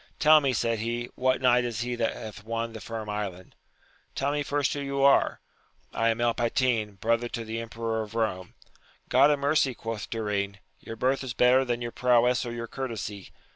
Tell me, said he, what knight is he that hath won the Firm Island !— Tell me first who you are ?— I am El Patin, brother to the Emperor of Rome. — God a mercy! quoth Durin, your birth is better than your prowess or your courtesy.